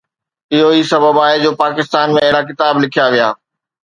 اهو ئي سبب آهي جو پاڪستان ۾ اهڙا ڪتاب لکيا ويا.